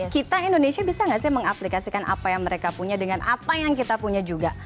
kita indonesia bisa nggak sih mengaplikasikan apa yang mereka punya dengan apa yang kita punya juga